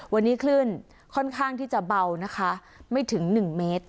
วันนี้คลื่นค่อนข้างที่จะเบานะคะไม่ถึง๑เมตร